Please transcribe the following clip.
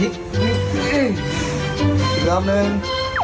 อีกรอบหนึ่ง